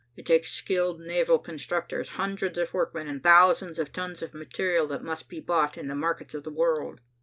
It takes skilled naval constructors, hundreds of workmen and thousands of tons of material that must be bought in the markets of the world."